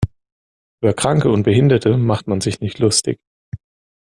Über Kranke und Behinderte macht man sich nicht lustig.